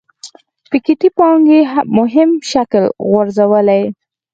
پيکيټي پانګې مهم شکل غورځولی.